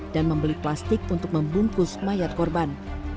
dan membeli plastik untuk membungkus mayat korban